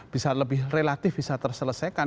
bisa lebih relatif bisa terselesaikan